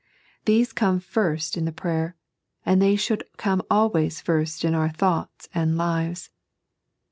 Theee come first in the prayer, and they should come always first in our thoughts and lives.